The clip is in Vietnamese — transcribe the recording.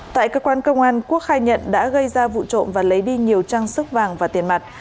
tại cơ quan công an quốc khai nhận đã gây ra vụ trộm và lấy đi nhiều trang sức vàng và tiền mặt